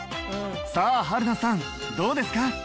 さあ春菜さんどうですか？